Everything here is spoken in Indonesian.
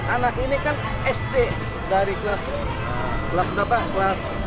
anak ini kan sd dari kelas satu sampai kelas enam sd